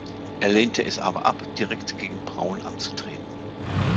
Er lehnte es aber ab, direkt gegen Brown anzutreten.